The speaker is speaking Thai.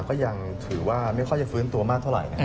ก็ยังถือว่าไม่ค่อยจะฟื้นตัวมากเท่าไร